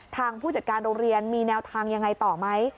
ผู้จัดการโรงเรียนมีแนวทางยังไงต่อไหม